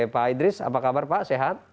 pak idris apa kabar pak sehat